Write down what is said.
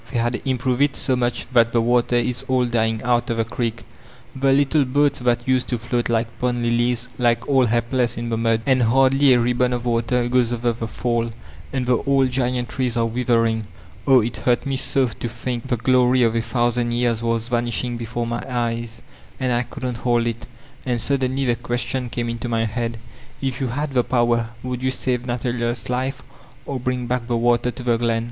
they had improved it so mudi that the water is all dying out of the creek; the little boats that used to float like pond lilies lie all he^ less in the mud, and hardly a ribbon of water goes over the fall, and the old giant trees are withering. Oh, it hurt me so to think the glory of a thousand years was vanishing before my eyes and I couldn't hold it And suddenly the question came into my head: 'If you had the power would you save Nathaniers life or bring back the water to the glen?